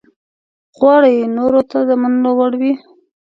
غواړي نورو ته د منلو وړ وي.